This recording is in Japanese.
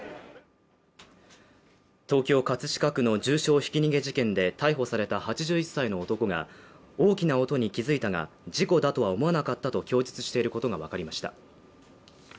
東京・葛飾区の重傷ひき逃げ事件で逮捕された８１歳の男が、大きな音に気づいたが、事故だとは思わなかったと供述していることがわかりました。